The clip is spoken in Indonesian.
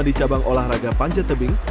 di cabang olahraga panjat tebing